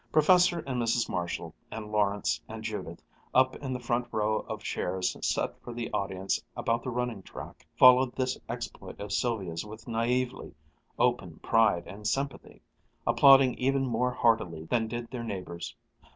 Professor and Mrs. Marshall and Lawrence and Judith, up in the front row of chairs set for the audience about the running track, followed this exploit of Sylvia's with naïvely open pride and sympathy, applauding even more heartily than did their neighbors.